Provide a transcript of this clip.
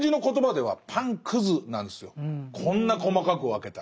こんな細かく分けたら。